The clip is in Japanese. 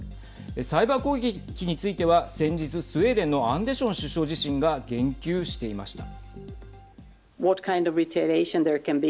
サイバー攻撃については先日、スウェーデンのアンデション首相自身が言及していました。